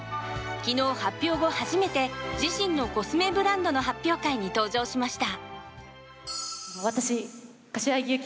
昨日発表後初めて自身のコスメブランドの発表会に登場しました。